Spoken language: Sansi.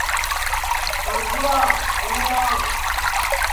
پربھوڑا اُرھیں آو